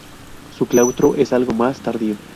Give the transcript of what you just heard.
Su claustro es algo más tardío.